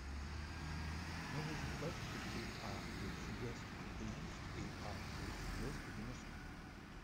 Novozybkov se trouve à au sud-ouest de Briansk et à au sud-ouest de Moscou.